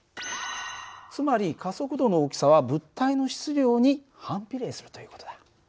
つまり加速度の大きさは物体の質量に反比例するという事だ。